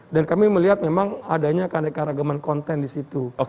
dan kami melihat memang adanya keanekaragaman konten disitu